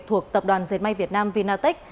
thuộc tập đoàn dệt may việt nam vinatech